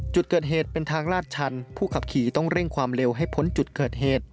จุดเกิดเหตุเป็นทางลาดชันผู้ขับขี่ต้องเร่งความเร็วให้พ้นจุดเกิดเหตุ